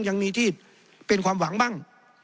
ยังมีที่เป็นความหวังบ้าง